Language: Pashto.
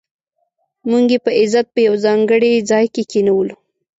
موږ یې په عزت په یو ځانګړي ځای کې کېنولو.